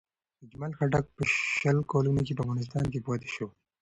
اجمل خټک په شل کلونو کې په افغانستان کې پاتې شو.